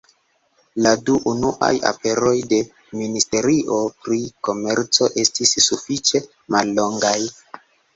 La du unuaj aperoj de ministerio pri komerco estis sufiĉe mallongaj.